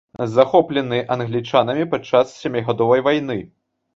Захоплены англічанамі падчас сямігадовай вайны.